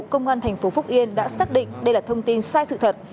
công an tp phúc yên đã xác định đây là thông tin sai sự thật